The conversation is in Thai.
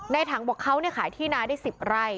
ถังบอกเขาขายที่นาได้๑๐ไร่